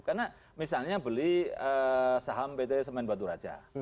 karena misalnya beli saham pt semen batu raja